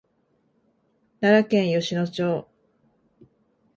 奈良県吉野町